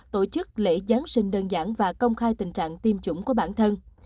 tổ chức lễ giáng sinh đơn giản và công khai tình trạng tiêm chủng của bản thân